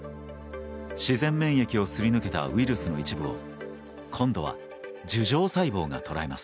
自然免疫をすり抜けたウイルスの一部を今度は樹状細胞が捕らえます。